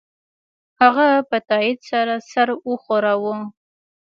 هغه په تایید سره سر وښوراوه